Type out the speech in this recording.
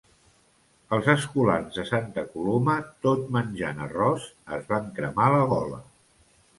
Els escolans de Santa Coloma tot menjant arròs es van cremar la gola.